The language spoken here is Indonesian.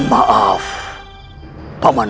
saya akan mencari